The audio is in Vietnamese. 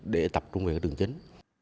để tập trung về cái đường chính